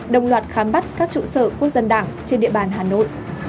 đồng loạt khám bắt các trụ sở quốc dân đảng trên địa bàn hà nội